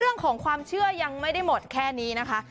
เรื่องของความเชื่อยังไม่ได้หมดแค่นี้นะคะ